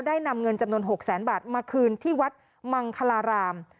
นำเงินจำนวน๖แสนบาทมาคืนที่วัดมังคลาราม